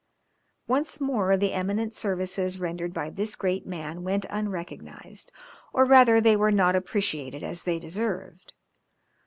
Once more the eminent services rendered by this great man went unrecognised, or rather they were not appreciated as they deserved.